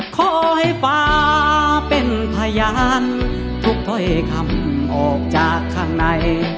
ขอให้ฟ้าเป็นพยานทุกถ้อยคำออกจากข้างใน